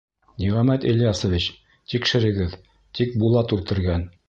Ниғәмәт Ильясович, тикшерегеҙ: тик Булат үлтергән!